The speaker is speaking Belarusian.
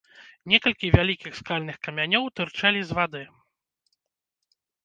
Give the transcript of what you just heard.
Некалькі вялікіх скальных камянёў тырчэлі з вады.